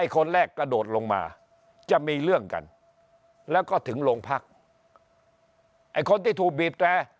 คนแรกกระโดดลงมาจะมีเรื่องกันแล้วก็ถึงโรงพักไอ้คนที่ถูกบีบแตร